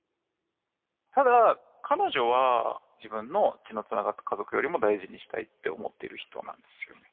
ただ彼女は自分の血のつながった家族よりも大事にしたいって思っている人なんですよ。